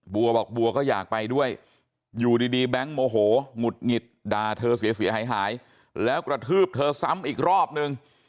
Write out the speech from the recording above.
บัวบอกบัวก็อยากไปด้วยอยู่ดีแบงค์โมโหหงุดหงิดด่าเธอเสียหายหายแล้วกระทืบเธอซ้ำอีกรอบนึง